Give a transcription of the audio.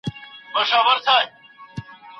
کرامت انسان ته ارزښت ورکوي.